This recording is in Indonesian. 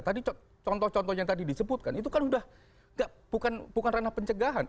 tadi contoh contoh yang tadi disebutkan itu kan sudah bukan ranah pencegahan